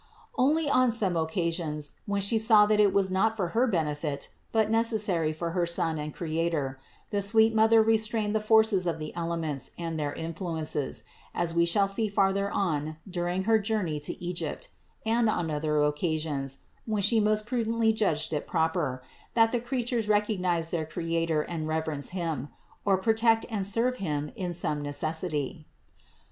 21. Only on some occasions, when She knew that it was not for her benefit but necessary for her Son and Creator, the sweet Mother restrained the force of the elements and their influences, as we shall see farther on during her journey to Egypt and on other occasions, where She most prudently judged it proper, that the creatures recognize their Creator and reverence Him, or protect and serve Him in some necessity (Infr.